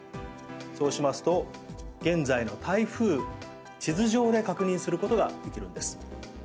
そうしますと現在の台風地図上で確認することができるんです。